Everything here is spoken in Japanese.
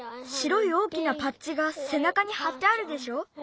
白い大きなパッチがせなかにはってあるでしょ。